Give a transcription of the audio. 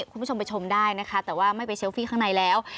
คุณผู้ชมไปชมได้นะคะแต่ว่าไม่ไปเซลฟี่ข้างในแล้ว